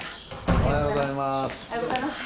おはようございます。